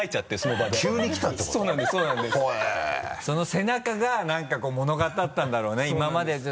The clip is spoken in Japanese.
その背中が何かこう物語ったんだろうね今まで。